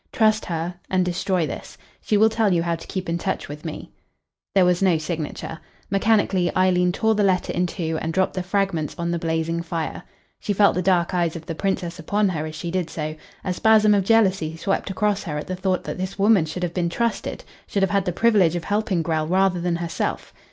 Trust her, and destroy this. She will tell you how to keep in touch with me." There was no signature. Mechanically Eileen tore the letter in two and dropped the fragments on the blazing fire. She felt the dark eyes of the Princess upon her as she did so. A spasm of jealousy swept across her at the thought that this woman should have been trusted, should have had the privilege of helping Grell rather than herself.